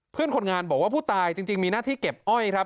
เพื่อนคนงานบอกว่าผู้ตายจริงมีหน้าที่เก็บอ้อยครับ